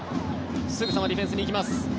すぐさまディフェンスに行きます。